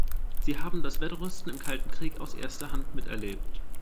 Sie haben das Wettrüsten im Kalten Krieg aus erster Hand miterlebt.